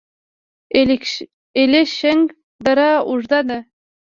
الیشنګ دره اوږده ده؟